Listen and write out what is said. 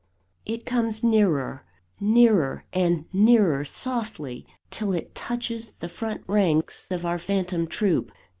It comes nearer nearer and nearer softly, till it touches the front ranks of our phantom troop.